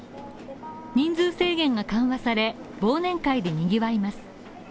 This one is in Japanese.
人数制限が緩和され、忘年会で賑わいます。